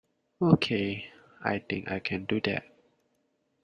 Okay, I think I can do that.